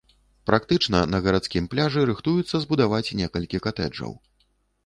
Практычна на гарадскім пляжы рыхтуюцца збудаваць некалькі катэджаў.